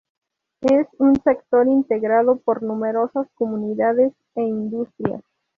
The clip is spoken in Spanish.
Es un sector integrado por numerosas comunidades e industrias.